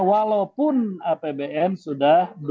walaupun apbn sudah dua puluh